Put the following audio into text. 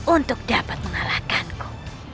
untuk dapat mengalahkanku